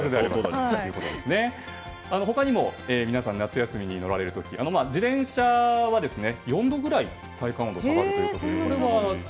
他にも皆さん夏休みに乗られる時自転車は４度くらい体感温度が下がるそうです。